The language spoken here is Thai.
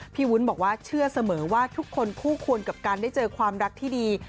วุ้นบอกว่าเชื่อเสมอว่าทุกคนคู่ควรกับการได้เจอความรักที่ดี